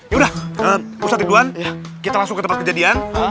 yaudah ustadz ridwan kita langsung ke tempat kejadian